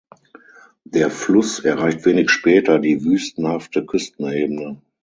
Der Fluss erreicht wenig später die wüstenhafte Küstenebene.